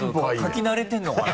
書き慣れてるのかな？